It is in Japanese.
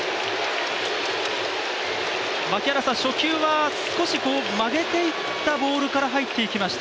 初球は少し曲げていったボールから入っていきました。